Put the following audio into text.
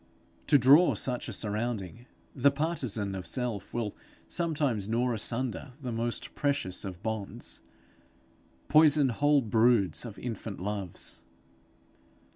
To draw such a surrounding, the partisan of self will sometimes gnaw asunder the most precious of bonds, poison whole broods of infant loves.